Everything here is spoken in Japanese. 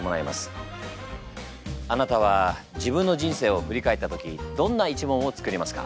あなたは自分の人生を振り返った時どんな一問を作りますか？